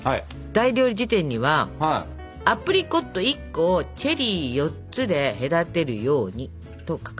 「大料理事典」には「アプリコット１個をチェリー４つで隔てるように」と書かれてたでしょ？